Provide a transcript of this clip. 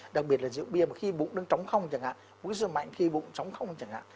đặc biệt là rượu bia mà khi bụng đang trống không chẳng hạn uống rượu mạnh khi bụng trống không chẳng hạn